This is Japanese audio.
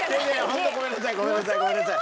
ホントごめんなさいごめんなさいごめんなさい。